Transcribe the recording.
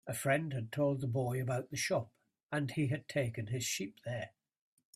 A friend had told the boy about the shop, and he had taken his sheep there.